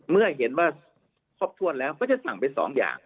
เมื่อเห็นว่าครบถ้วนแล้วก็จะสั่งเป็น๒อย่าง